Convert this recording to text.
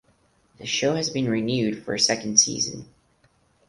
The show has been renewed for second season.